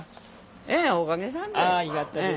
ええおかげさんで。